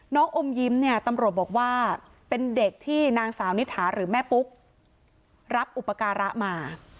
อมยิ้มเนี่ยตำรวจบอกว่าเป็นเด็กที่นางสาวนิถาหรือแม่ปุ๊กรับอุปการะมา